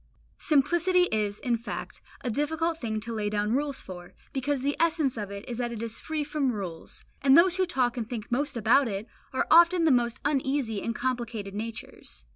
Simplicity is, in fact, a difficult thing to lay down rules for, because the essence of it is that it is free from rules; and those who talk and think most about it, are often the most uneasy and complicated natures.